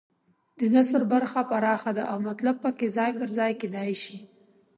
د نثر برخه پراخه ده او مطلب پکې ځای پر ځای کېدای شي.